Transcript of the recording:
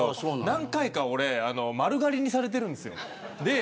何回か丸刈りにされてるんですよ。